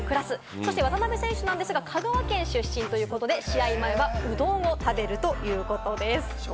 そして渡邊選手なんですが、香川県出身ということで、試合前は、うどんを食べるということです。